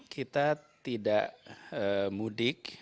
kita tidak mudik